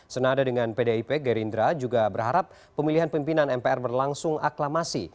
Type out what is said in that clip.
senada dengan pdip gerindra juga berharap pemilihan pimpinan mpr berlangsung aklamasi